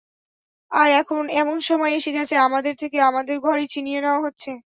আর এখন এমন সময় এসে গেছে আমাদের থেকে আমাদের ঘরই ছিনিয়ে নেওয়া হচ্ছে।